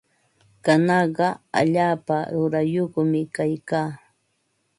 Kanaqa allaapa rurayyuqmi kaykaa.